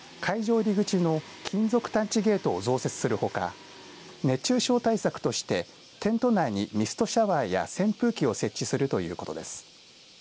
入り口の金属探知ゲートを増設するほか熱中症対策としてテント内にミストシャワーや扇風機を設置するということです。